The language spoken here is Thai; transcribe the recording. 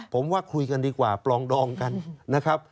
ผมว่าคุยกันดีกว่าปลองดองกันนะครับ